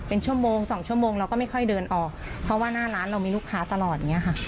เป็นชั่วโมง๒ชั่วโมงเราก็ไม่ค่อยเดินออกเพราะว่าหน้านั้นเรามีลูกค้าตลอด